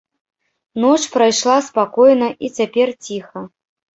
Ноч прайшла спакойна і цяпер ціха.